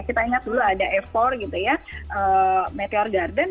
kita ingat dulu ada f empat gitu ya meteor garden